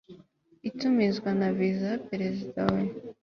itumizwa na Visi Perezida we